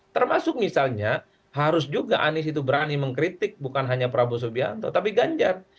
termasuk misalnya harus juga anies itu berani mengkritik bukan hanya prabowo subianto tapi ganjar